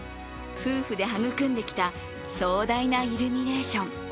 夫婦で育んできた壮大なイルミネーション。